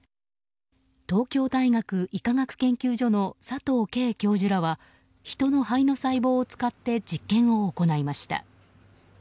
東京大学医科学研究所の佐藤佳教授らはヒトの肺の細胞を使って実験を行いました。